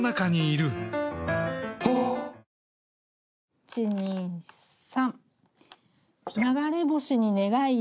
１２３。